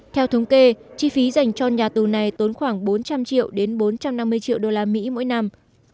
theo thống kê chi phí dành cho nhà tù này tốn khoảng bốn trăm linh triệu đến bốn trăm năm mươi triệu đô la mỹ mỗi năm